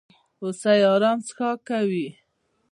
هوسۍ ارام څښاک کوي.